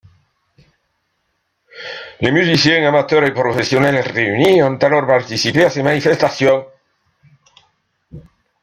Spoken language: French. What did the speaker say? Les musiciens amateurs et professionnels réunis ont alors participé à ces manifestations.